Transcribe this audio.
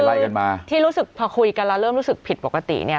ไล่กันมาที่รู้สึกพอคุยกันแล้วเริ่มรู้สึกผิดปกติเนี่ย